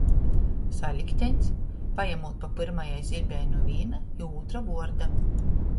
Salikteņs, pajemūt pa pyrmajai ziļbei nu vīna i ūtra vuorda.